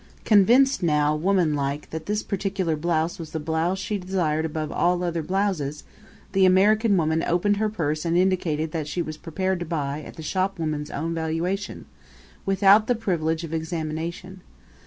Convinced now, womanlike, that this particular blouse was the blouse she desired above all other blouses the American woman opened her purse and indicated that she was prepared to buy at the shopwoman's own valuation, without the privilege of examination.